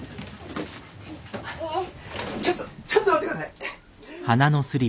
ちょっとちょっと待ってください。